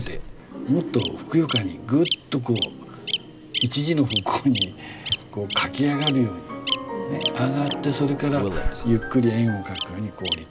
もっとふくよかにグッとこう１時の方向に駆け上がるように上がってそれからゆっくり円を描くようにこう下りてくる。